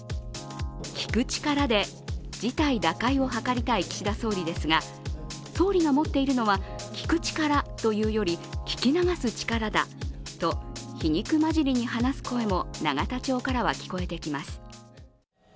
聞く力で事態打開を図りたい岸田総理ですが、総理が持っているのは聞く力というより、聞き流す力だと皮肉交じりに話す声も永田町からは聞こえてきます。